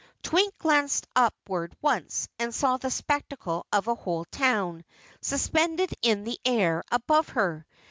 Twink glanced upward once and saw the spectacle of a whole town, suspended in the air above her.